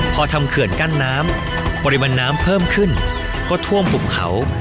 พอทำเขื่อนกั้นน้ำปริมาณน้ำเพิ่มขึ้นก็ท่วมปุบเขา